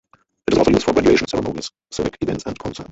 It is also used for graduation ceremonies, civic events and concerts.